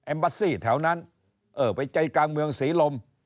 บาซี่แถวนั้นเออไปใจกลางเมืองศรีลม